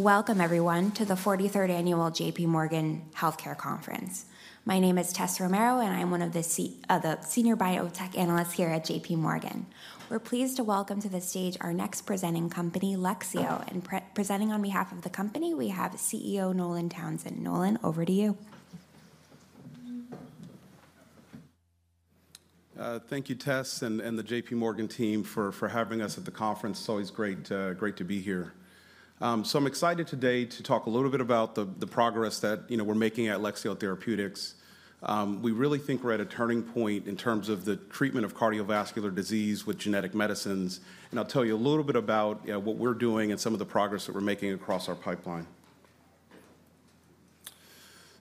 Welcome, everyone, to the 43rd Annual JPMorgan Healthcare Conference. My name is Tess Romero, and I'm one of the Senior Biotech Analysts here at JPMorgan. We're pleased to welcome to the stage our next presenting company, Lexeo. And presenting on behalf of the company, we have CEO Nolan Townsend. Nolan, over to you. Thank you, Tess, and the JPMorgan team for having us at the conference. It's always great to be here, so I'm excited today to talk a little bit about the progress that we're making at Lexeo Therapeutics. We really think we're at a turning point in terms of the treatment of cardiovascular disease with genetic medicines, and I'll tell you a little bit about what we're doing and some of the progress that we're making across our pipeline,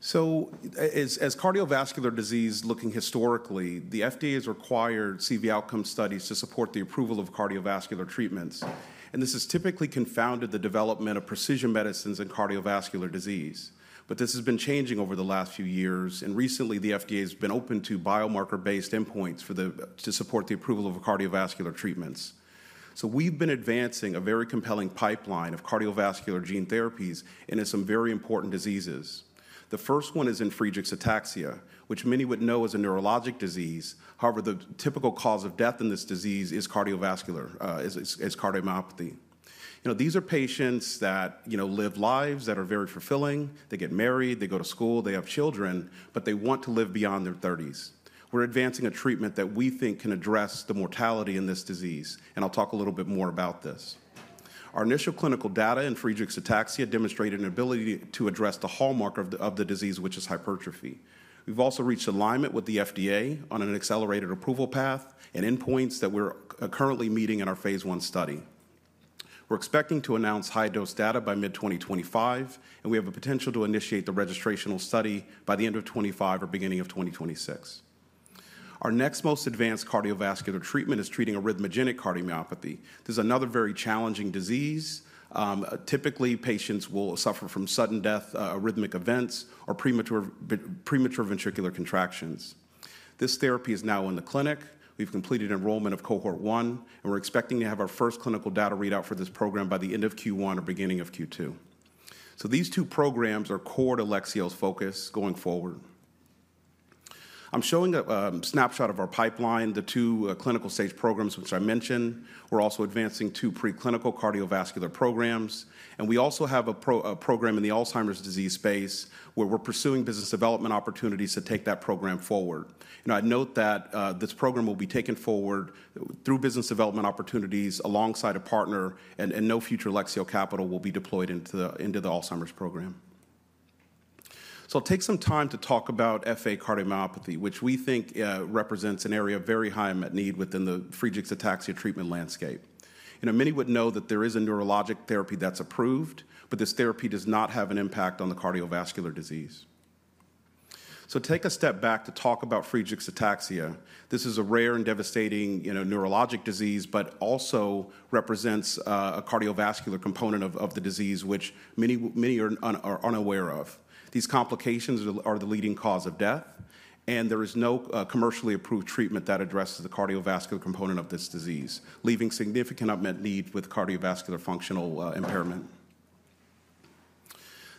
so as cardiovascular disease is looking historically, the FDA has required CV outcome studies to support the approval of cardiovascular treatments, and this has typically confounded the development of precision medicines in cardiovascular disease but this has been changing over the last few years, and recently, the FDA has been open to biomarker-based endpoints to support the approval of cardiovascular treatments. We've been advancing a very compelling pipeline of cardiovascular gene therapies in some very important diseases. The first one is Friedreich's ataxia, which many would know as a neurologic disease. However, the typical cause of death in this disease is cardiovascular, is cardiomyopathy. These are patients that live lives that are very fulfilling. They get married, they go to school, they have children, but they want to live beyond their 30s. We're advancing a treatment that we think can address the mortality in this disease. And I'll talk a little bit more about this. Our initial clinical data in Friedreich's ataxia demonstrated an ability to address the hallmark of the disease, which is hypertrophy. We've also reached alignment with the FDA on an accelerated approval path and endpoints that we're currently meeting in our phase one study. We're expecting to announce high-dose data by mid-2025. We have a potential to initiate the registrational study by the end of 2025 or beginning of 2026. Our next most advanced cardiovascular treatment is treating arrhythmogenic cardiomyopathy. This is another very challenging disease. Typically, patients will suffer from sudden death, arrhythmic events, or premature ventricular contractions. This therapy is now in the clinic. We've completed enrollment of cohort one. We're expecting to have our first clinical data readout for this program by the end of Q1 or beginning of Q2. These two programs are core to Lexeo's focus going forward. I'm showing a snapshot of our pipeline, the two clinical stage programs which I mentioned. We're also advancing two preclinical cardiovascular programs. We also have a program in the Alzheimer's disease space where we're pursuing business development opportunities to take that program forward. I'd note that this program will be taken forward through business development opportunities alongside a partner. And no future Lexeo capital will be deployed into the Alzheimer's program. So I'll take some time to talk about FA cardiomyopathy, which we think represents an area of very high need within the Friedreich's ataxia treatment landscape. Many would know that there is a neurologic therapy that's approved, but this therapy does not have an impact on the cardiovascular disease. So take a step back to talk about Friedreich's ataxia. This is a rare and devastating neurologic disease, but also represents a cardiovascular component of the disease, which many are unaware of. These complications are the leading cause of death. And there is no commercially approved treatment that addresses the cardiovascular component of this disease, leaving significant unmet need with cardiovascular functional impairment.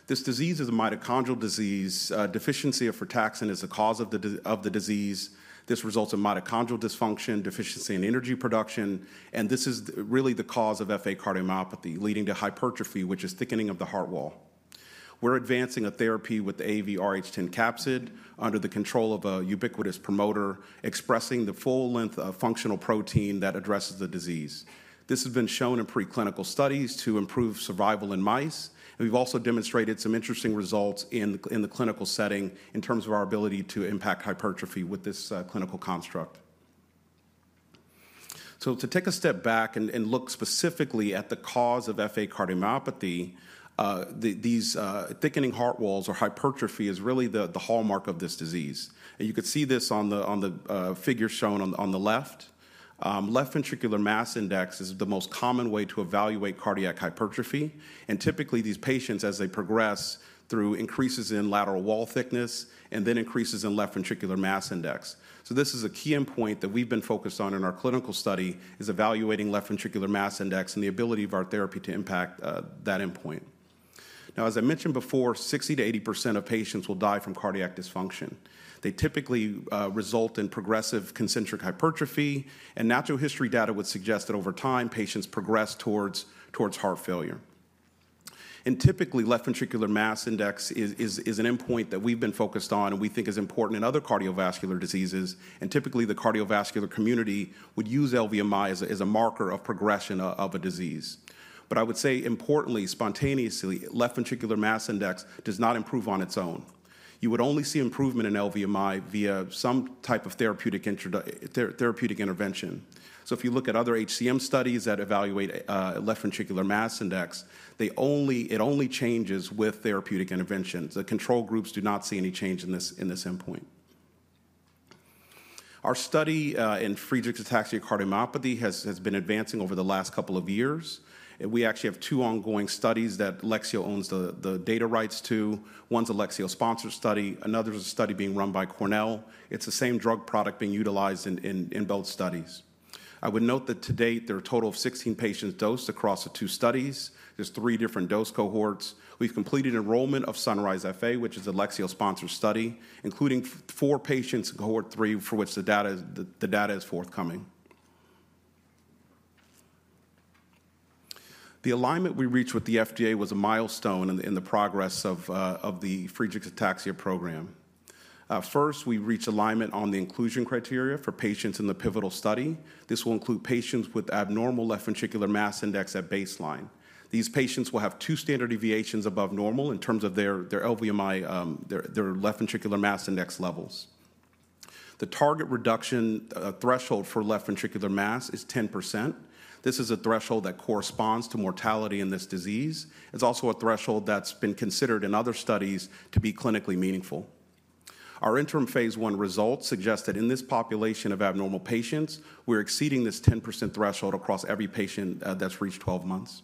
This disease is a mitochondrial disease. Deficiency of frataxin is the cause of the disease. This results in mitochondrial dysfunction, deficiency in energy production. This is really the cause of FA cardiomyopathy, leading to hypertrophy, which is thickening of the heart wall. We're advancing a therapy with AAVrh10 capsid under the control of a ubiquitous promoter, expressing the full length of functional protein that addresses the disease. This has been shown in preclinical studies to improve survival in mice. We've also demonstrated some interesting results in the clinical setting in terms of our ability to impact hypertrophy with this clinical construct. To take a step back and look specifically at the cause of FA cardiomyopathy, these thickening heart walls or hypertrophy is really the hallmark of this disease. You could see this on the figure shown on the left. Left ventricular mass index is the most common way to evaluate cardiac hypertrophy. And typically, these patients, as they progress through increases in lateral wall thickness and then increases in left ventricular mass index. So this is a key endpoint that we've been focused on in our clinical study, is evaluating left ventricular mass index and the ability of our therapy to impact that endpoint. Now, as I mentioned before, 60% to 80% of patients will die from cardiac dysfunction. They typically result in progressive concentric hypertrophy. And natural history data would suggest that over time, patients progress towards heart failure. And typically, left ventricular mass index is an endpoint that we've been focused on and we think is important in other cardiovascular diseases. And typically, the cardiovascular community would use LVMI as a marker of progression of a disease. But I would say, importantly, spontaneously, left ventricular mass index does not improve on its own. You would only see improvement in LVMI via some type of therapeutic intervention, so if you look at other HCM studies that evaluate left ventricular mass index, it only changes with therapeutic interventions. The control groups do not see any change in this endpoint. Our study in Friedreich's ataxia cardiomyopathy has been advancing over the last couple of years, and we actually have two ongoing studies that Lexeo owns the data rights to. One's a Lexeo-sponsored study. Another is a study being run by Cornell. It's the same drug product being utilized in both studies. I would note that to date, there are a total of 16 patients dosed across the two studies. There's three different dose cohorts. We've completed enrollment of SUNRISE-FA, which is a Lexeo-sponsored study, including four patients in cohort three for which the data is forthcoming. The alignment we reached with the FDA was a milestone in the progress of the Friedreich's ataxia program. First, we reached alignment on the inclusion criteria for patients in the pivotal study. This will include patients with abnormal left ventricular mass index at baseline. These patients will have two standard deviations above normal in terms of their LVMI, their left ventricular mass index levels. The target reduction threshold for left ventricular mass is 10%. This is a threshold that corresponds to mortality in this disease. It's also a threshold that's been considered in other studies to be clinically meaningful. Our interim phase one results suggest that in this population of abnormal patients, we're exceeding this 10% threshold across every patient that's reached 12 months.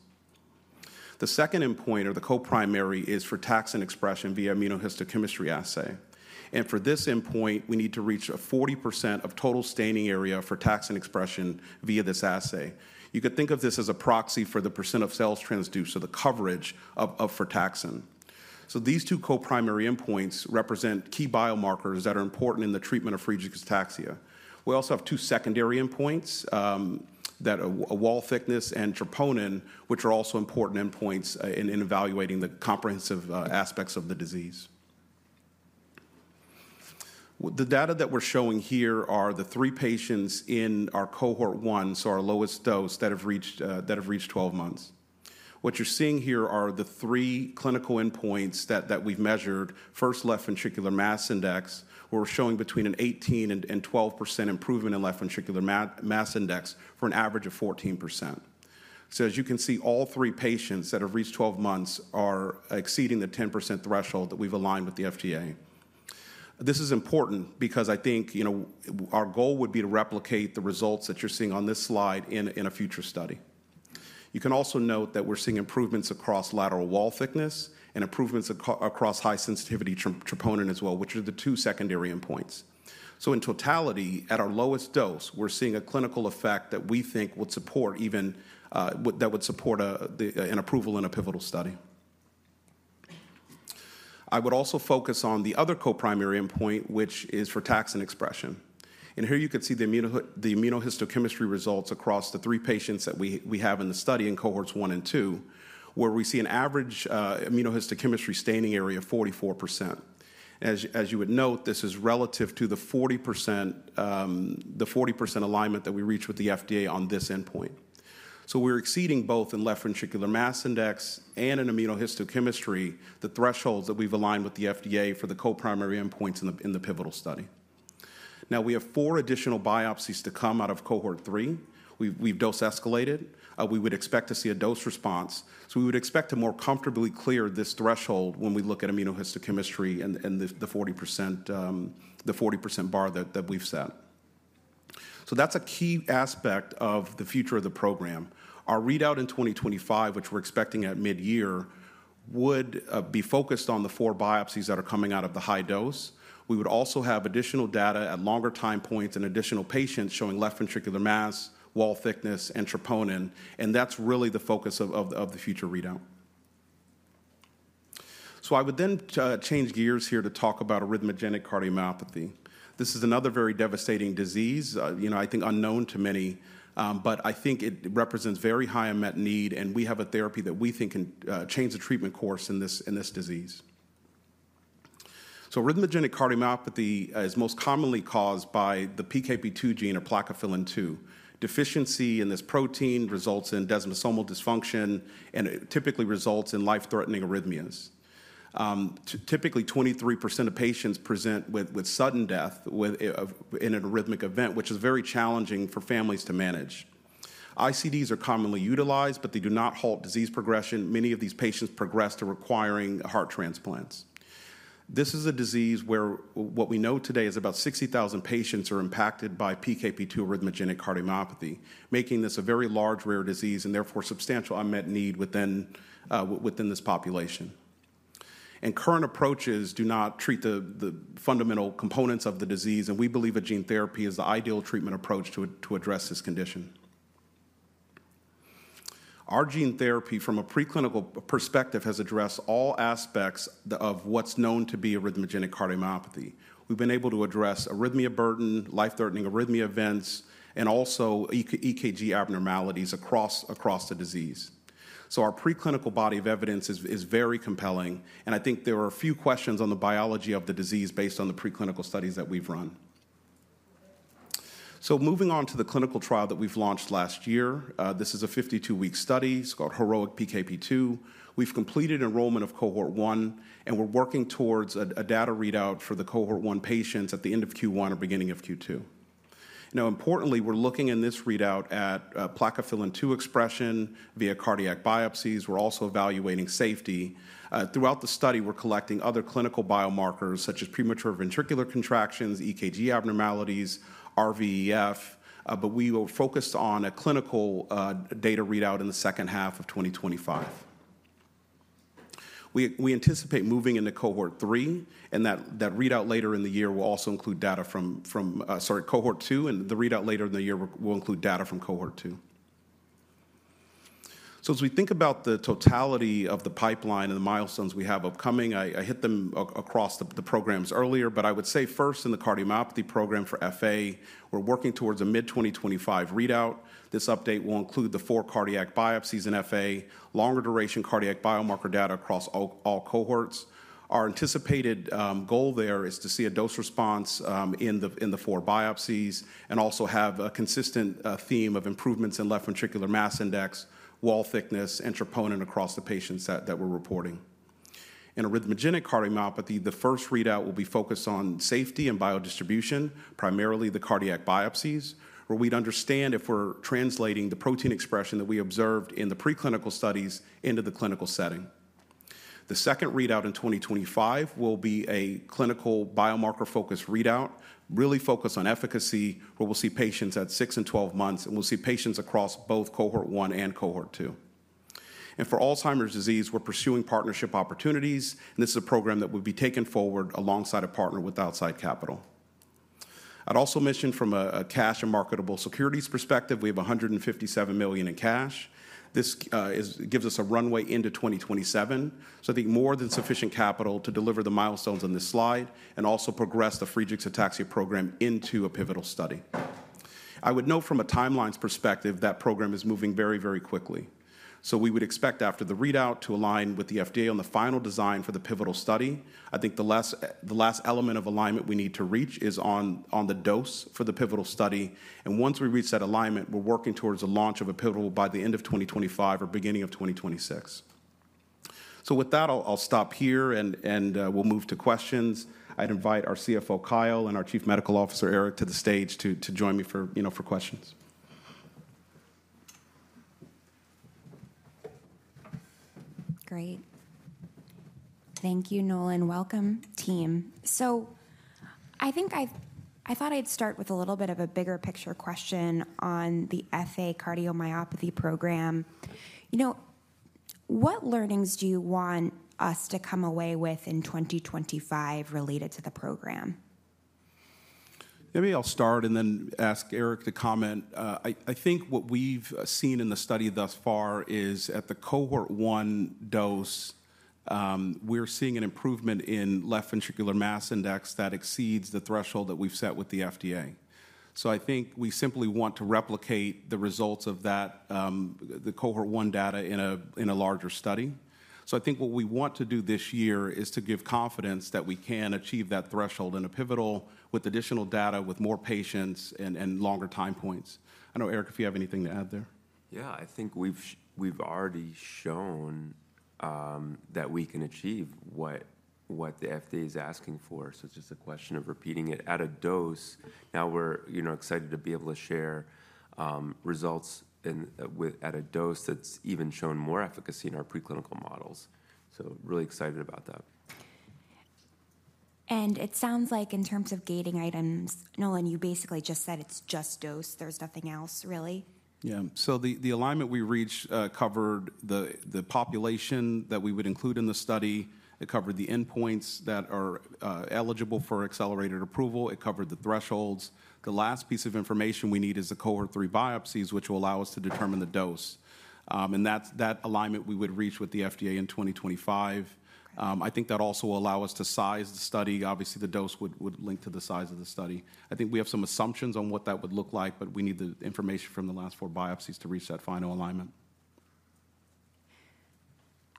The second endpoint, or the co-primary, is frataxin expression via immunohistochemistry assay. For this endpoint, we need to reach a 40% of total staining area for frataxin expression via this assay. You could think of this as a proxy for the percent of cells transduced, so the coverage of frataxin. These two co-primary endpoints represent key biomarkers that are important in the treatment of Friedreich's ataxia. We also have two secondary endpoints, that are wall thickness and troponin, which are also important endpoints in evaluating the comprehensive aspects of the disease. The data that we're showing here are the three patients in our cohort one, so our lowest dose, that have reached 12 months. What you're seeing here are the three clinical endpoints that we've measured, first left ventricular mass index, where we're showing between an 18% and 12% improvement in left ventricular mass index for an average of 14%. As you can see, all three patients that have reached 12 months are exceeding the 10% threshold that we've aligned with the FDA. This is important because I think our goal would be to replicate the results that you're seeing on this slide in a future study. You can also note that we're seeing improvements across lateral wall thickness and improvements across high sensitivity troponin as well, which are the two secondary endpoints. In totality, at our lowest dose, we're seeing a clinical effect that we think would support an approval in a pivotal study. I would also focus on the other co-primary endpoint, which is frataxin expression. Here you could see the immunohistochemistry results across the three patients that we have in the study in cohorts one and two, where we see an average immunohistochemistry staining area of 44%. As you would note, this is relative to the 40% alignment that we reached with the FDA on this endpoint. So we're exceeding both in left ventricular mass index and in immunohistochemistry the thresholds that we've aligned with the FDA for the co-primary endpoints in the pivotal study. Now, we have four additional biopsies to come out of cohort three. We've dose escalated. We would expect to see a dose response. So we would expect to more comfortably clear this threshold when we look at immunohistochemistry and the 40% bar that we've set. So that's a key aspect of the future of the program. Our readout in 2025, which we're expecting at mid-year, would be focused on the four biopsies that are coming out of the high dose. We would also have additional data at longer time points and additional patients showing left ventricular mass, wall thickness, and troponin. That's really the focus of the future readout. I would then change gears here to talk about arrhythmogenic cardiomyopathy. This is another very devastating disease, I think unknown to many. It represents very high unmet need. We have a therapy that we think can change the treatment course in this disease. Arrhythmogenic cardiomyopathy is most commonly caused by the PKP2 gene, or Plakophilin-2. Deficiency in this protein results in desmosomal dysfunction and typically results in life-threatening arrhythmias. Typically, 23% of patients present with sudden death in an arrhythmic event, which is very challenging for families to manage. ICDs are commonly utilized, but they do not halt disease progression. Many of these patients progress to requiring heart transplants. This is a disease where what we know today is about 60,000 patients are impacted by PKP2 arrhythmogenic cardiomyopathy, making this a very large, rare disease and therefore substantial unmet need within this population. And current approaches do not treat the fundamental components of the disease. And we believe that gene therapy is the ideal treatment approach to address this condition. Our gene therapy, from a preclinical perspective, has addressed all aspects of what's known to be arrhythmogenic cardiomyopathy. We've been able to address arrhythmia burden, life-threatening arrhythmia events, and also EKG abnormalities across the disease. So our preclinical body of evidence is very compelling. And I think there are a few questions on the biology of the disease based on the preclinical studies that we've run. So moving on to the clinical trial that we've launched last year, this is a 52-week study. It's called HEROIC-PKP2. We've completed enrollment of cohort one, and we're working towards a data readout for the cohort one patients at the end of Q1 or beginning of Q2. Now, importantly, we're looking in this readout at Plakophilin-2 expression via cardiac biopsies. We're also evaluating safety. Throughout the study, we're collecting other clinical biomarkers, such as premature ventricular contractions, EKG abnormalities, RVEF. But we were focused on a clinical data readout in the second half of 2025. We anticipate moving into cohort three, and that readout later in the year will also include data from cohort two. So as we think about the totality of the pipeline and the milestones we have upcoming, I hit them across the programs earlier. But I would say first, in the cardiomyopathy program for FA, we're working towards a mid-2025 readout. This update will include the four cardiac biopsies in FA, longer duration cardiac biomarker data across all cohorts. Our anticipated goal there is to see a dose response in the four biopsies and also have a consistent theme of improvements in left ventricular mass index, wall thickness, and troponin across the patients that we're reporting. In arrhythmogenic cardiomyopathy, the first readout will be focused on safety and biodistribution, primarily the cardiac biopsies, where we'd understand if we're translating the protein expression that we observed in the preclinical studies into the clinical setting. The second readout in 2025 will be a clinical biomarker-focused readout, really focused on efficacy, where we'll see patients at six and 12 months, and we'll see patients across both cohort one and cohort two, and for Alzheimer's disease, we're pursuing partnership opportunities. This is a program that would be taken forward alongside a partner with outside capital. I'd also mention from a cash and marketable securities perspective, we have $157 million in cash. This gives us a runway into 2027. I think more than sufficient capital to deliver the milestones on this slide and also progress the Friedreich's ataxia program into a pivotal study. I would note from a timelines perspective that program is moving very, very quickly. We would expect after the readout to align with the FDA on the final design for the pivotal study. I think the last element of alignment we need to reach is on the dose for the pivotal study. Once we reach that alignment, we're working towards a launch of a pivotal by the end of 2025 or beginning of 2026. With that, I'll stop here. And we'll move to questions. I'd invite our CFO, Kyle, and our Chief Medical Officer, Eric, to the stage to join me for questions. Great. Thank you, Nolan. Welcome, team. So I thought I'd start with a little bit of a bigger picture question on the FA cardiomyopathy program. What learnings do you want us to come away with in 2025 related to the program? Maybe I'll start and then ask Eric to comment. I think what we've seen in the study thus far is at the cohort one dose, we're seeing an improvement in left ventricular mass index that exceeds the threshold that we've set with the FDA. So I think we simply want to replicate the results of that, the cohort one data in a larger study. So I think what we want to do this year is to give confidence that we can achieve that threshold in a pivotal with additional data, with more patients and longer time points. I don't know, Eric, if you have anything to add there. Yeah, I think we've already shown that we can achieve what the FDA is asking for. So it's just a question of repeating it at a dose. Now we're excited to be able to share results at a dose that's even shown more efficacy in our preclinical models. So really excited about that. It sounds like in terms of gating items, Nolan, you basically just said it's just dose. There's nothing else, really. Yeah. So the alignment we reached covered the population that we would include in the study. It covered the endpoints that are eligible for accelerated approval. It covered the thresholds. The last piece of information we need is the cohort three biopsies, which will allow us to determine the dose. And that alignment we would reach with the FDA in 2025. I think that also will allow us to size the study. Obviously, the dose would link to the size of the study. I think we have some assumptions on what that would look like. But we need the information from the last four biopsies to reach that final alignment.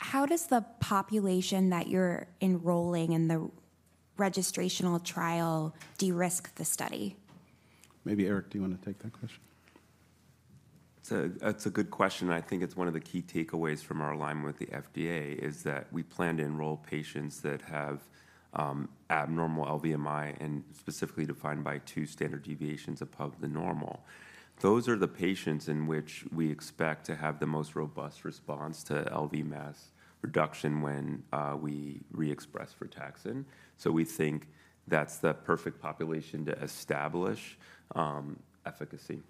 How does the population that you're enrolling in the registrational trial de-risk the study? Maybe Eric, do you want to take that question? That's a good question. I think it's one of the key takeaways from our alignment with the FDA is that we plan to enroll patients that have abnormal LVMI and specifically defined by two standard deviations above the normal. Those are the patients in which we expect to have the most robust response to LV mass reduction when we re-express frataxin. So we think that's the perfect population to establish efficacy.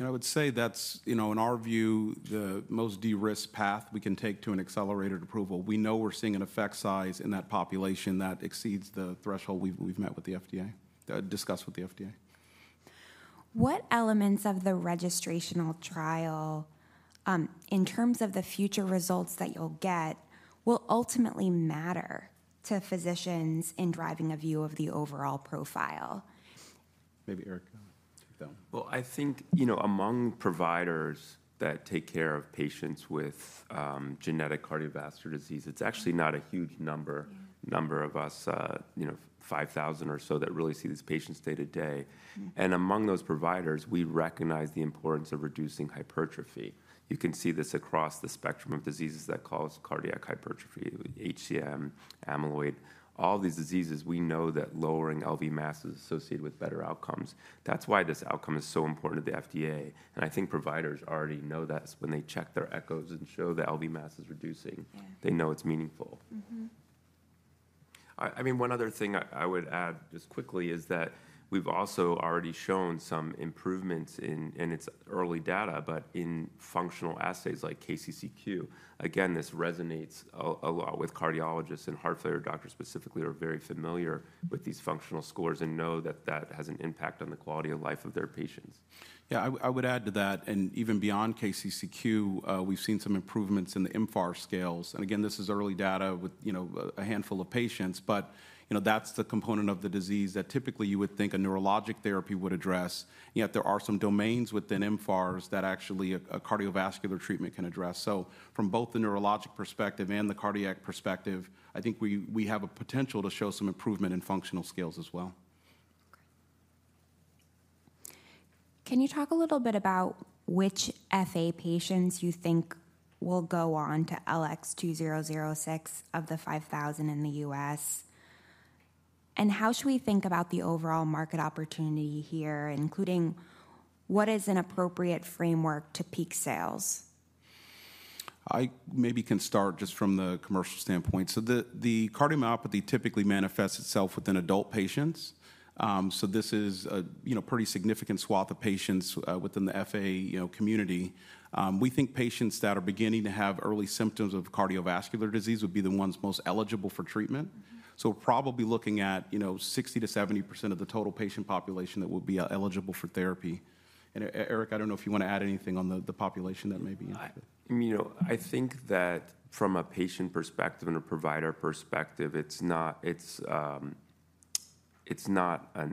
I would say that's, in our view, the most de-risk path we can take to an accelerated approval. We know we're seeing an effect size in that population that exceeds the threshold we've met with the FDA, discussed with the FDA. What elements of the registrational trial, in terms of the future results that you'll get, will ultimately matter to physicians in driving a view of the overall profile? Maybe Eric. I think among providers that take care of patients with genetic cardiovascular disease, it's actually not a huge number of us, 5,000 or so, that really see these patients day to day, and among those providers, we recognize the importance of reducing hypertrophy. You can see this across the spectrum of diseases that cause cardiac hypertrophy, HCM, amyloid, all these diseases we know that lowering LV mass is associated with better outcomes. That's why this outcome is so important to the FDA, and I think providers already know that when they check their echoes and show that LV mass is reducing, they know it's meaningful. I mean, one other thing I would add just quickly is that we've also already shown some improvements in its early data, but in functional assays like KCCQ. Again, this resonates a lot with cardiologists. Heart failure doctors specifically are very familiar with these functional scores and know that that has an impact on the quality of life of their patients. Yeah, I would add to that. And even beyond KCCQ, we've seen some improvements in the mFARS scales. And again, this is early data with a handful of patients. But that's the component of the disease that typically you would think a neurologic therapy would address. Yet there are some domains within mFARS that actually a cardiovascular treatment can address. So from both the neurologic perspective and the cardiac perspective, I think we have a potential to show some improvement in functional scales as well. Can you talk a little bit about which FA patients you think will go on to LX2006 of the 5,000 in the US? And how should we think about the overall market opportunity here, including what is an appropriate framework to peak sales? I maybe can start just from the commercial standpoint. So the cardiomyopathy typically manifests itself within adult patients. So this is a pretty significant swath of patients within the FA community. We think patients that are beginning to have early symptoms of cardiovascular disease would be the ones most eligible for treatment. So we're probably looking at 60% to 70% of the total patient population that would be eligible for therapy. And Eric, I don't know if you want to add anything on the population that may be in it. I think that from a patient perspective and a provider perspective, it's not an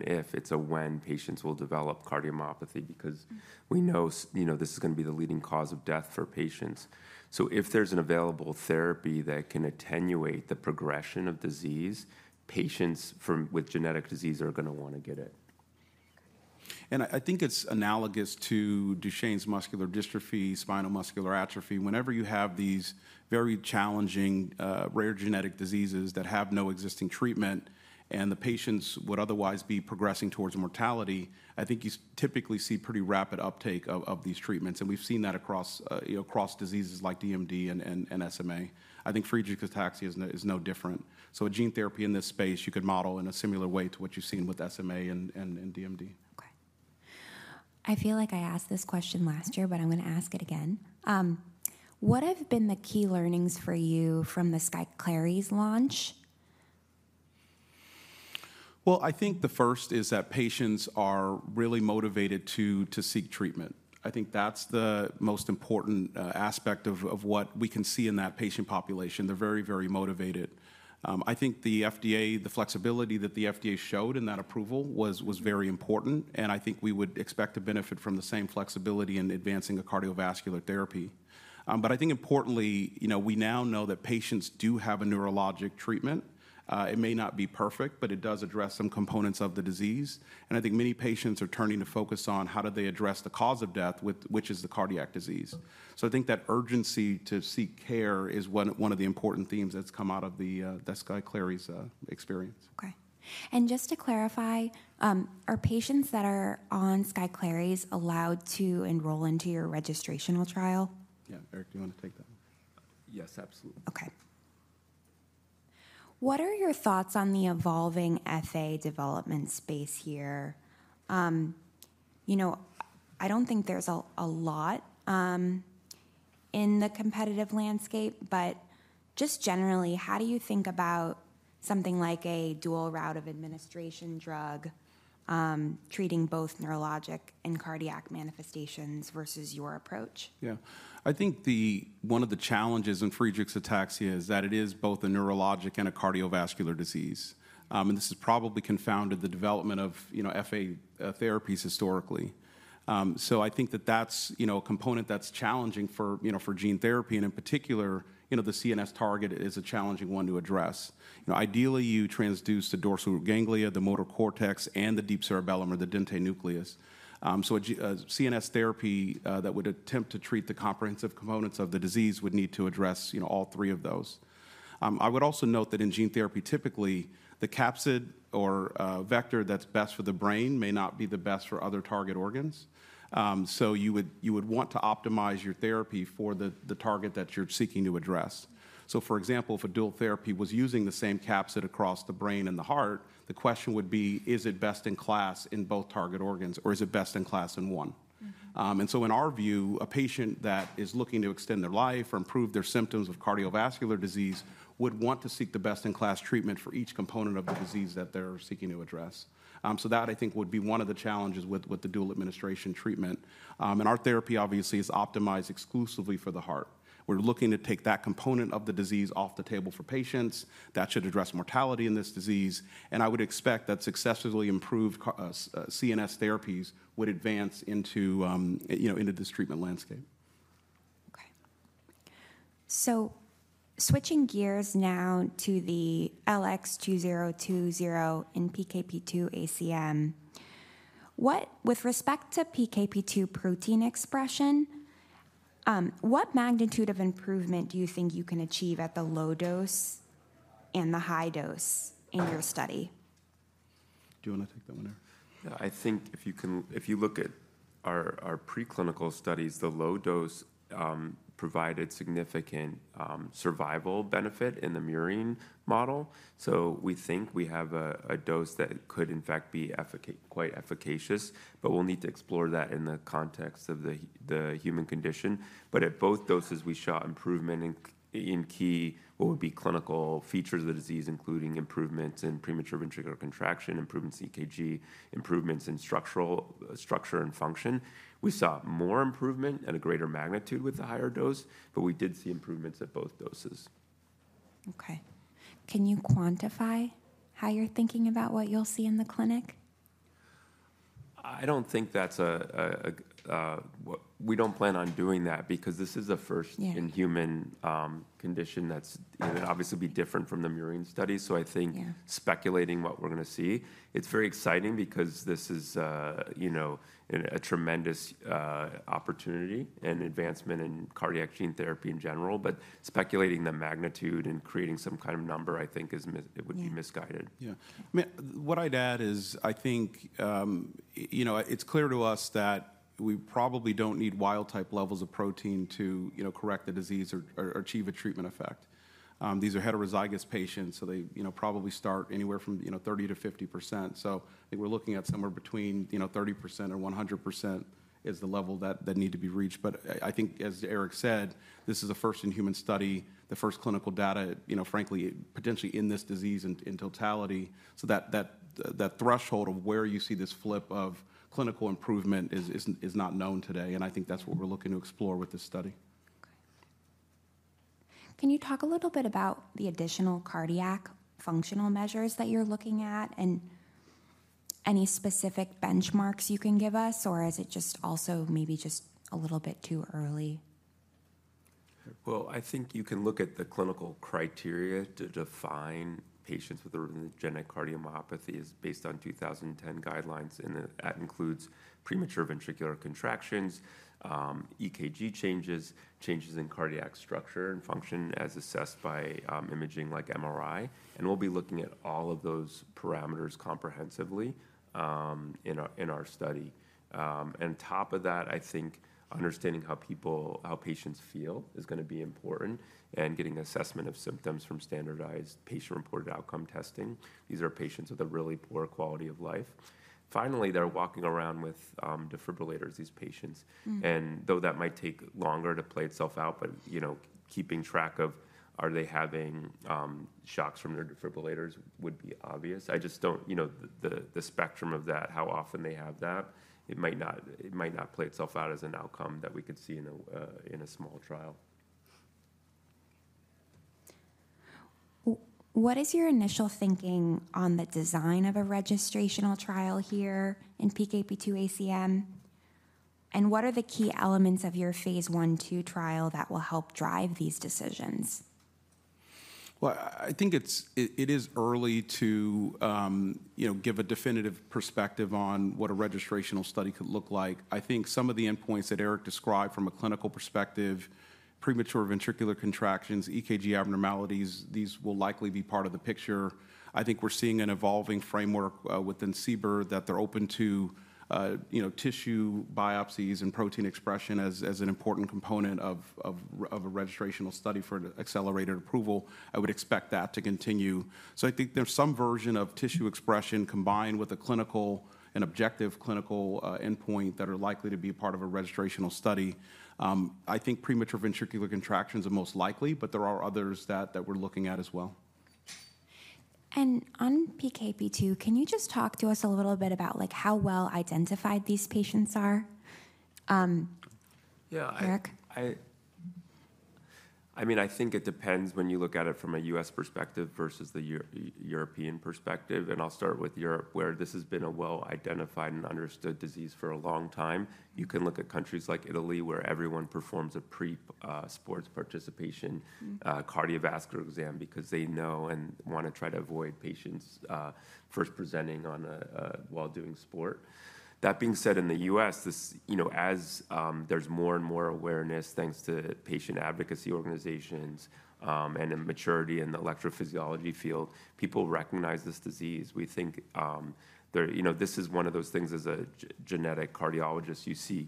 if. It's a when patients will develop cardiomyopathy because we know this is going to be the leading cause of death for patients. So if there's an available therapy that can attenuate the progression of disease, patients with genetic disease are going to want to get it. And I think it's analogous to Duchenne muscular dystrophy, spinal muscular atrophy. Whenever you have these very challenging, rare genetic diseases that have no existing treatment and the patients would otherwise be progressing towards mortality, I think you typically see pretty rapid uptake of these treatments. And we've seen that across diseases like DMD and SMA. I think Friedreich's ataxia is no different. So a gene therapy in this space, you could model in a similar way to what you've seen with SMA and DMD. I feel like I asked this question last year, but I'm going to ask it again. What have been the key learnings for you from the Skyclarys launch? I think the first is that patients are really motivated to seek treatment. I think that's the most important aspect of what we can see in that patient population. They're very, very motivated. I think the FDA, the flexibility that the FDA showed in that approval was very important. I think we would expect to benefit from the same flexibility in advancing a cardiovascular therapy. I think importantly, we now know that patients do have a neurologic treatment. It may not be perfect, but it does address some components of the disease. I think many patients are turning to focus on how do they address the cause of death, which is the cardiac disease. I think that urgency to seek care is one of the important themes that's come out of the Skyclarys experience. Just to clarify, are patients that are on Skyclarys allowed to enroll into your registrational trial? Yeah, Eric, do you want to take that? Yes, absolutely. OK. What are your thoughts on the evolving FA development space here? I don't think there's a lot in the competitive landscape. But just generally, how do you think about something like a dual route of administration drug treating both neurologic and cardiac manifestations versus your approach? Yeah, I think one of the challenges in Friedreich's ataxia is that it is both a neurologic and a cardiovascular disease, and this has probably confounded the development of FA therapies historically, so I think that that's a component that's challenging for gene therapy, and in particular, the CNS target is a challenging one to address. Ideally, you transduce the dorsal ganglia, the motor cortex, and the deep cerebellum or the dentate nucleus, so a CNS therapy that would attempt to treat the comprehensive components of the disease would need to address all three of those. I would also note that in gene therapy, typically, the capsid or vector that's best for the brain may not be the best for other target organs, so you would want to optimize your therapy for the target that you're seeking to address. For example, if a dual therapy was using the same capsid across the brain and the heart, the question would be, is it best in class in both target organs? Or is it best in class in one? And so in our view, a patient that is looking to extend their life or improve their symptoms of cardiovascular disease would want to seek the best-in-class treatment for each component of the disease that they're seeking to address. So that, I think, would be one of the challenges with the dual administration treatment. And our therapy, obviously, is optimized exclusively for the heart. We're looking to take that component of the disease off the table for patients that should address mortality in this disease. And I would expect that successively improved CNS therapies would advance into this treatment landscape. So switching gears now to the LX2020 and PKP2 ACM, with respect to PKP2 protein expression, what magnitude of improvement do you think you can achieve at the low dose and the high dose in your study? Do you want to take that one, Eric? I think if you look at our preclinical studies, the low dose provided significant survival benefit in the murine model. So we think we have a dose that could, in fact, be quite efficacious. But we'll need to explore that in the context of the human condition. But at both doses, we saw improvement in key what would be clinical features of the disease, including improvements in premature ventricular contraction, improvements in EKG, improvements in structural structure and function. We saw more improvement at a greater magnitude with the higher dose. But we did see improvements at both doses. Can you quantify how you're thinking about what you'll see in the clinic? I don't think that's. We don't plan on doing that because this is a first in human condition that's obviously different from the murine studies. So I think speculating what we're going to see, it's very exciting because this is a tremendous opportunity and advancement in cardiac gene therapy in general. But speculating the magnitude and creating some kind of number, I think it would be misguided. Yeah. What I'd add is I think it's clear to us that we probably don't need wild-type levels of protein to correct the disease or achieve a treatment effect. These are heterozygous patients. So they probably start anywhere from 30% to 50%. So I think we're looking at somewhere between 30% and 100% is the level that need to be reached. But I think, as Eric said, this is a first in human study, the first clinical data, frankly, potentially in this disease in totality. So that threshold of where you see this flip of clinical improvement is not known today. And I think that's what we're looking to explore with this study. Can you talk a little bit about the additional cardiac functional measures that you're looking at and any specific benchmarks you can give us? Or is it just also maybe just a little bit too early? I think you can look at the clinical criteria to define patients with genetic cardiomyopathy is based on 2010 guidelines. That includes premature ventricular contractions, EKG changes, changes in cardiac structure and function as assessed by imaging like MRI. We'll be looking at all of those parameters comprehensively in our study. On top of that, I think understanding how patients feel is going to be important and getting assessment of symptoms from standardized patient-reported outcome testing. These are patients with a really poor quality of life. Finally, they're walking around with defibrillators, these patients. Though that might take longer to play itself out, keeping track of are they having shocks from their defibrillators would be obvious. I just don't know the spectrum of that, how often they have that. It might not play itself out as an outcome that we could see in a small trial. What is your initial thinking on the design of a registrational trial here in PKP2 ACM? And what are the key elements of your phase 1/2 trial that will help drive these decisions? I think it is early to give a definitive perspective on what a registrational study could look like. I think some of the endpoints that Eric described from a clinical perspective, premature ventricular contractions, EKG abnormalities, these will likely be part of the picture. I think we're seeing an evolving framework within CBER that they're open to tissue biopsies and protein expression as an important component of a registrational study for accelerated approval. I would expect that to continue. So I think there's some version of tissue expression combined with a clinical and objective clinical endpoint that are likely to be part of a registrational study. I think premature ventricular contractions are most likely. But there are others that we're looking at as well. On PKP2, can you just talk to us a little bit about how well identified these patients are, Eric? Yeah. I mean, I think it depends when you look at it from a U.S. perspective versus the European perspective, and I'll start with Europe, where this has been a well-identified and understood disease for a long time. You can look at countries like Italy, where everyone performs a pre-sports participation cardiovascular exam because they know and want to try to avoid patients first presenting while doing sport. That being said, in the U.S., as there's more and more awareness thanks to patient advocacy organizations and maturity in the electrophysiology field, people recognize this disease. We think this is one of those things as a genetic cardiologist, you see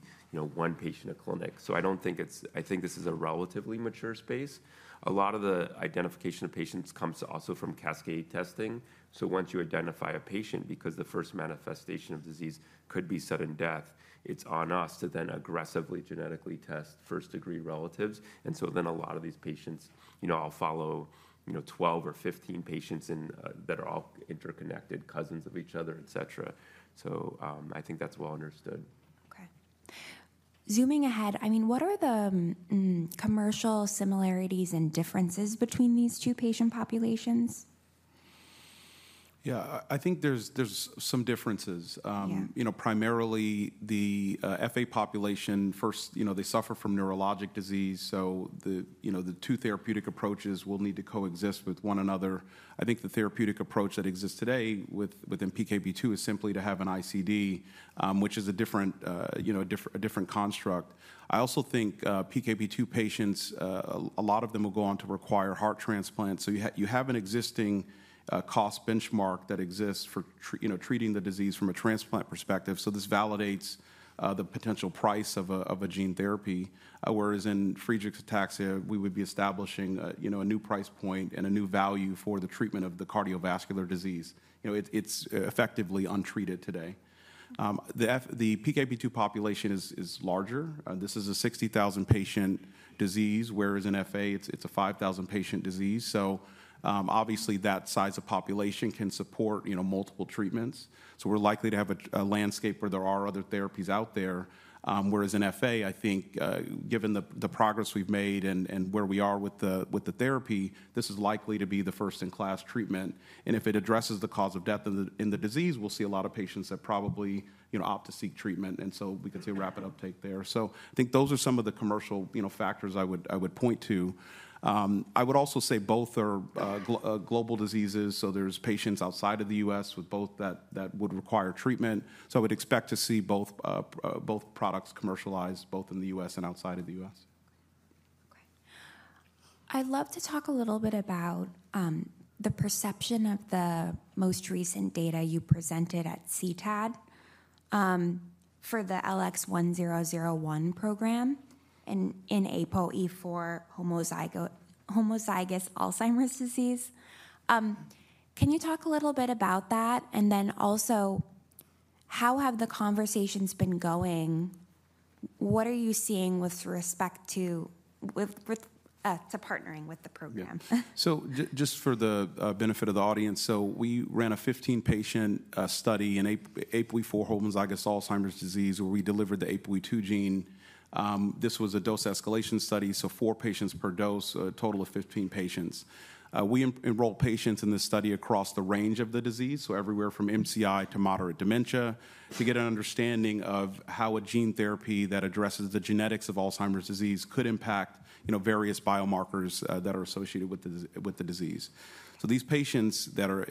one patient at clinic, so I don't think it's. I think this is a relatively mature space. A lot of the identification of patients comes also from cascade testing. So once you identify a patient because the first manifestation of disease could be sudden death, it's on us to then aggressively genetically test first-degree relatives. And so then a lot of these patients, I'll follow 12 or 15 patients that are all interconnected, cousins of each other, et cetera. So I think that's well understood. Zooming ahead, I mean, what are the commercial similarities and differences between these two patient populations? Yeah, I think there's some differences. Primarily, the FA population, first, they suffer from neurologic disease. So the two therapeutic approaches will need to coexist with one another. I think the therapeutic approach that exists today within PKP2 is simply to have an ICD, which is a different construct. I also think PKP2 patients, a lot of them will go on to require heart transplants. So you have an existing cost benchmark that exists for treating the disease from a transplant perspective. So this validates the potential price of a gene therapy. Whereas in Friedreich's ataxia, we would be establishing a new price point and a new value for the treatment of the cardiovascular disease. It's effectively untreated today. The PKP2 population is larger. This is a 60,000-patient disease. Whereas in FA, it's a 5,000-patient disease. So obviously, that size of population can support multiple treatments. So we're likely to have a landscape where there are other therapies out there. Whereas in FA, I think given the progress we've made and where we are with the therapy, this is likely to be the first-in-class treatment. And if it addresses the cause of death in the disease, we'll see a lot of patients that probably opt to seek treatment. And so we could see a rapid uptake there. So I think those are some of the commercial factors I would point to. I would also say both are global diseases. So there's patients outside of the U.S. with both that would require treatment. So I would expect to see both products commercialized both in the U.S. and outside of the U.S. I'd love to talk a little bit about the perception of the most recent data you presented at CTAD for the LX1001 program in APOE4 homozygous Alzheimer's disease. Can you talk a little bit about that? And then also, how have the conversations been going? What are you seeing with respect to partnering with the program? So just for the benefit of the audience, so we ran a 15-patient study in APOE4 homozygous Alzheimer's disease where we delivered the APOE2 gene. This was a dose escalation study, so four patients per dose, a total of 15 patients. We enrolled patients in this study across the range of the disease, so everywhere from MCI to moderate dementia, to get an understanding of how a gene therapy that addresses the genetics of Alzheimer's disease could impact various biomarkers that are associated with the disease. So these patients that are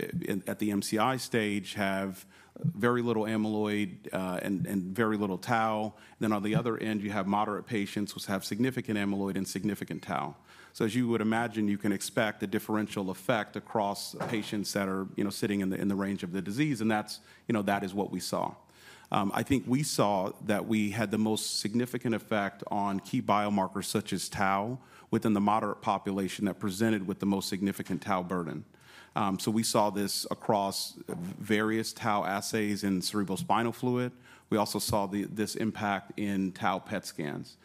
at the MCI stage have very little amyloid and very little tau. Then on the other end, you have moderate patients who have significant amyloid and significant tau. So as you would imagine, you can expect a differential effect across patients that are sitting in the range of the disease. And that is what we saw. I think we saw that we had the most significant effect on key biomarkers such as tau within the moderate population that presented with the most significant tau burden. So we saw this across various tau assays in cerebrospinal fluid. We also saw this impact in tau PET scans.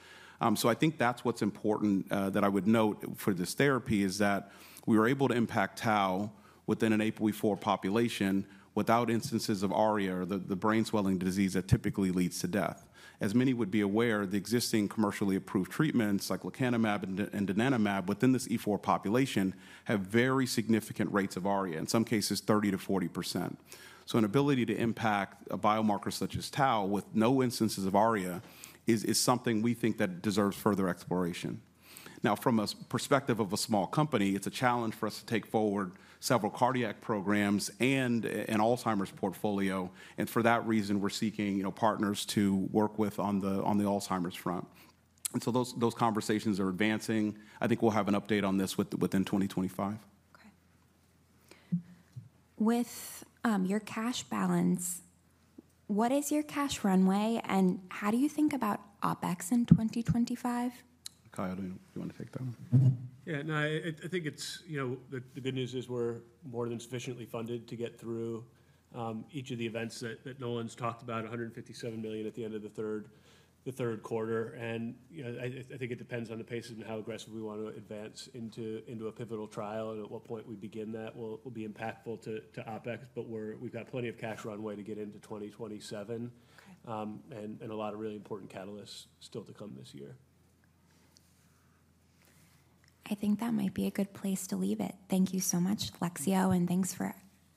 So I think that's what's important that I would note for this therapy is that we were able to impact tau within an APOE4 population without instances of ARIA, or the brain-swelling disease that typically leads to death. As many would be aware, the existing commercially approved treatments, lecanemab and donanemab, within this E4 population have very significant rates of ARIA, in some cases 30% to 40%. So an ability to impact a biomarker such as tau with no instances of ARIA is something we think that deserves further exploration. Now, from a perspective of a small company, it's a challenge for us to take forward several cardiac programs and an Alzheimer's portfolio. And for that reason, we're seeking partners to work with on the Alzheimer's front. And so those conversations are advancing. I think we'll have an update on this within 2025. With your cash balance, what is your cash runway? And how do you think about OpEx in 2025? Kyle, do you want to take that one? Yeah. No, I think the good news is we're more than sufficiently funded to get through each of the events that Nolan's talked about, $157 million at the end of the third quarter. And I think it depends on the pace and how aggressive we want to advance into a pivotal trial. And at what point we begin that will be impactful to OpEx. But we've got plenty of cash runway to get into 2027 and a lot of really important catalysts still to come this year. I think that might be a good place to leave it. Thank you so much, Lexeo, and thanks for.